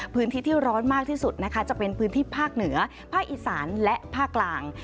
พื้นที่ที่ร้อนมากที่สุดนะคะจะเป็นพื้นที่ภาคเหนือภาคอีสานและภาคกลาง